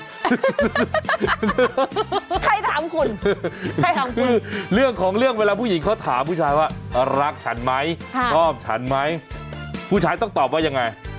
ใครถามคุณใครถามคุณคือเรื่องของเรื่องเวลาผู้หญิงเขาถามผู้ชายว่ารักฉันไหมชอบฉันไหมผู้ชายต้องตอบว่ายังไง